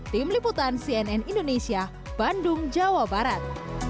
tim liputan cnn indonesia bandung jawa barat